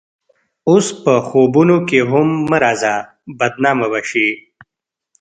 اوس په خوبونو کښې هم مه راځه بدنامه به شې